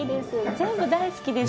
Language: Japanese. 全部大好きです。